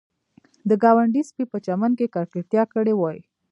د ګاونډي سپي په چمن کې ککړتیا کړې وي